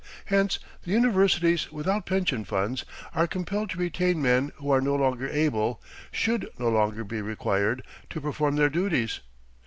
Hence the universities without pension funds are compelled to retain men who are no longer able, should no longer be required, to perform their duties.